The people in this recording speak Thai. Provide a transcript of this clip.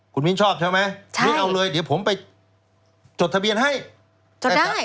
คุณมิ้นชอบใช่ไหมใช่มิ้นเอาเลยเดี๋ยวผมไปจดทะเบียนให้ใช่นะครับ